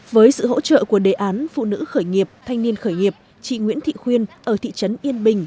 với sự hỗ trợ của đề án phụ nữ khởi nghiệp thanh niên khởi nghiệp chị nguyễn thị khuyên ở thị trấn yên bình